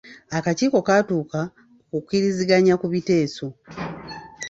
Akakiiko katuuka ku kukkiriziganya ku biteeso.